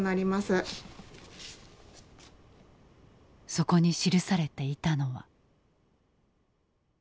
そこに記されていたのは。